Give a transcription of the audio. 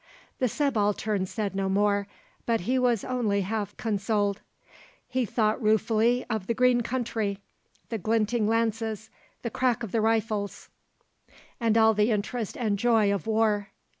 The Subaltern said no more, but he was only half consoled. He thought ruefully of the green country, the glinting lances, the crack of the rifles, and all the interest and joy of war.